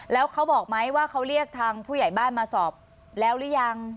แล้วเขาบอกไหมว่าเขาเรียกทางผู้ใหญ่บ้านมาสอบแล้วหรือยัง